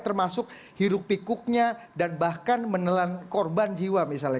termasuk hiruk pikuknya dan bahkan menelan korban jiwa misalnya